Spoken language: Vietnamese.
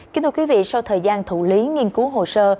kính thưa quý vị sau thời gian thủ lý nghiên cứu hồ sơ